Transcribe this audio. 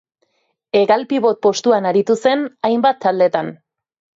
Hegal-pibot postuan aritu zen hainbat taldetan.